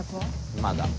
まだ。